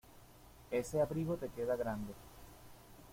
Ese abrigo te queda grande.